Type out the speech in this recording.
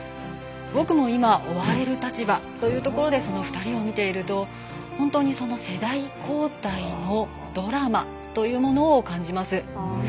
僕も今、追われる立場というところでその２人を見ていると本当に、世代交代のドラマというものを感じます。